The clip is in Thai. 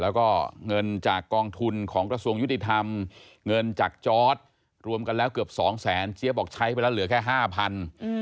แล้วก็เงินจากกองทุนของกระทรวงยุติธรรมเงินจากจอร์ดรวมกันแล้วเกือบสองแสนเจี๊ยบบอกใช้ไปแล้วเหลือแค่๕๐๐บาท